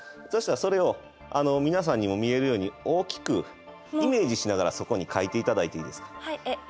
そしたらそれを皆さんにも見えるように大きくイメージしながらそこに書いて頂いていいですか？